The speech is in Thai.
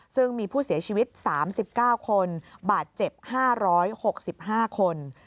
ซึ่งมีผู้เสียชีวิต๓๙คนบาดเจ็บ๕๖๕คน